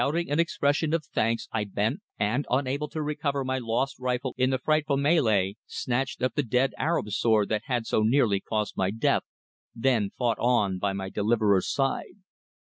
Shouting an expression of thanks I bent, and, unable to recover my lost rifle in the frightful mêlée, snatched up the dead Arab's sword that had so nearly caused my death, then fought on by my deliverer's side.